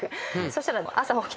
そしたら。